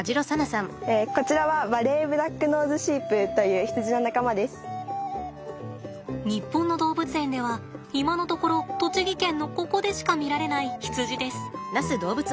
こちらは日本の動物園では今のところ栃木県のここでしか見られない羊です。